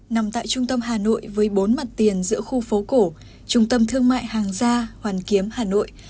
nằm tại trung tâm hà nội với bốn mặt tiền giữa khu phố cổ trung tâm thương mại hàng gia hoàn kiếm hà nội